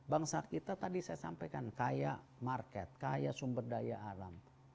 bangsa kita tadi saya sampaikan kaya market kaya sumber daya alam